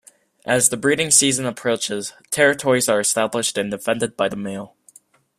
As the breeding season approaches, territories are established and defended by the male.